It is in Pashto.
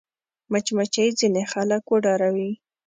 مچمچۍ ځینې خلک وډاروي